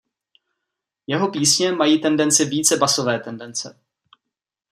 Jeho písně mají tendenci více basové tendence.